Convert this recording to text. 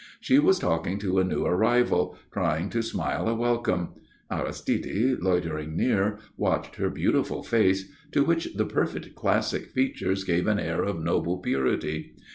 She was talking to a new arrival, trying to smile a welcome. Aristide, loitering near, watched her beautiful face, to which the perfect classic features gave an air of noble purity.